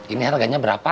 ini harganya berapa